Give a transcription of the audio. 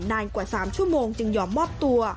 นานกว่า๓ชั่วโมงจึงยอมมอบตัว